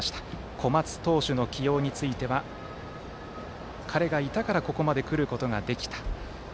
小松投手の起用については彼がいたからここまでくることができた。